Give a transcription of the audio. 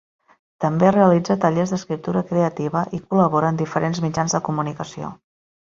També, realitza tallers d'escriptura creativa, i col·labora en diferents mitjans de comunicació.